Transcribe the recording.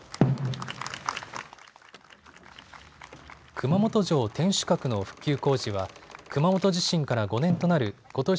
熊本城天守閣の復旧工事は熊本地震から５年となることし